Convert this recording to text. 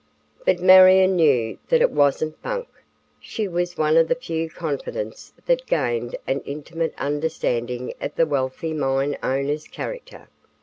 But Marion knew that it wasn't "bunk." She was one of the few confidants that gained an intimate understanding of the wealthy mine owner's character.